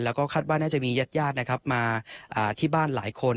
แล้วก็คาดว่าน่าจะมีญาติญาตินะครับมาที่บ้านหลายคน